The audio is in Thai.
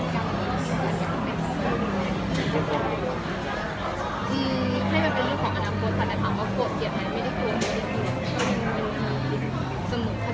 โจงตอนที่เกิดคำว่า